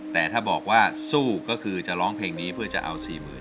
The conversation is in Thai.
แต่ถ้าบอกว่าสู้ก็คือจะร้องเพลงนี้เพื่อจะเอา๔๐๐๐